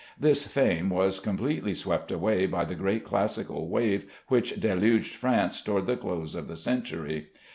This fame was completely swept away by the great classical wave which deluged France toward the close of the century.